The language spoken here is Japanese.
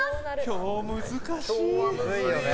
今日、難しい。